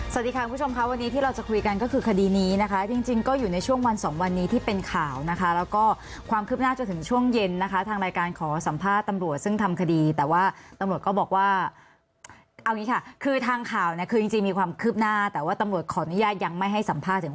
สวัสดีค่ะคุณผู้ชมค่ะวันนี้ที่เราจะคุยกันก็คือคดีนี้นะคะจริงจริงก็อยู่ในช่วงวันสองวันนี้ที่เป็นข่าวนะคะแล้วก็ความคืบหน้าจนถึงช่วงเย็นนะคะทางรายการขอสัมภาษณ์ตำรวจซึ่งทำคดีแต่ว่าตำรวจก็บอกว่าเอางี้ค่ะคือทางข่าวเนี่ยคือจริงมีความคืบหน้าแต่ว่าตำรวจขออนุญาตยังไม่ให้สัมภาษณ์ถึง